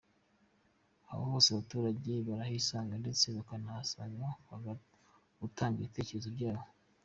Aho hose abaturange barahisanga ndetse bakanabasaha gutanga ibitekerezo byabo”.